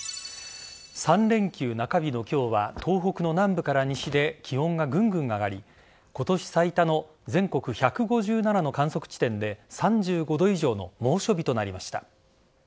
３連休中日の今日は東北の南部から西で気温がぐんぐん上がり今年最多の全国１５７の観測地点で３５度以上の猛暑日となりました。